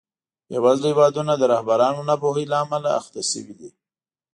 بېوزله هېوادونه د رهبرانو ناپوهۍ له امله اخته شوي دي.